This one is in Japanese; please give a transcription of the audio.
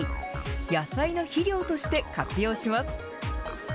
野菜の肥料として活用します。